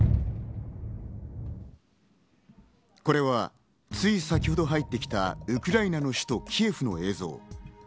これは、つい先程入ってきたウクライナの首都キエフの映像。